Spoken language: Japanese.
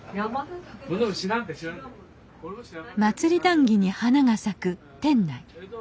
祭り談議に花が咲く店内。